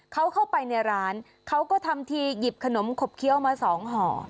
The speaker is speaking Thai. เขาเข้าไปในร้านเขาก็ทำทีหยิบขนมขบเคี้ยวมาสองห่อ